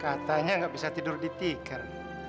katanya nggak bisa tidur di tikar